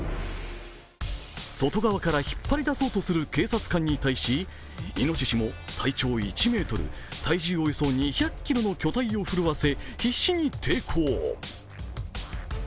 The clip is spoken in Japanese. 外側から引っ張りだそうとする警察官に対しイノシシも体長１ｍ、体重およそ２００ｋｇの巨体を震わせ必死に抵抗。